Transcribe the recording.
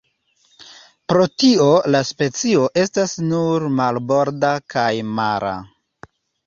Pro tio la specio estas nur marborda kaj mara.